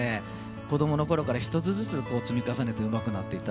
子どものころから一つずつ積み重ねてうまくなっていった。